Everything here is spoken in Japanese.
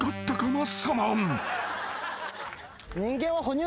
マッサマン］